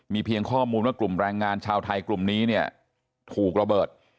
เพียงข้อมูลว่ากลุ่มแรงงานชาวไทยกลุ่มนี้เนี่ยถูกระเบิด